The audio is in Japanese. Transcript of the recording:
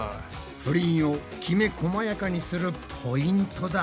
プリンをきめこまやかにするポイントだ。